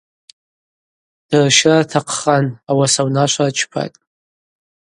Дырщра ртахъхан, ауаса унашва рчпатӏ.